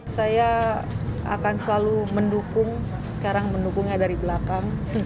saya akan selalu mendukung sekarang mendukungnya dari belakang